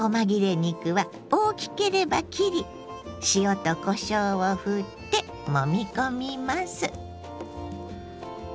肉は大きければ切り塩とこしょうをふってもみ込みます。